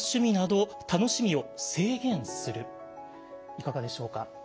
いかがでしょうか？